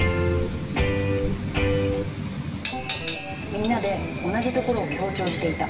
みんなで同じところを強調していた。